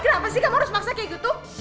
kenapa sih kamu harus maksa kayak gitu